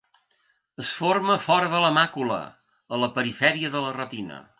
Es forma fora de la màcula, a la perifèria de la retina.